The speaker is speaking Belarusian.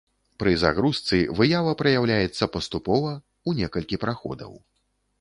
Пры загрузцы выява праяўляецца паступова, у некалькі праходаў.